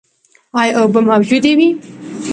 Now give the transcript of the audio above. ایا اوبه موجودې وې؟